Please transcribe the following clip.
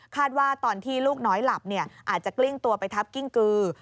ว่าตอนที่ลูกน้อยหลับเนี่ยอาจจะกลิ้งตัวไปทับกิ้งกือ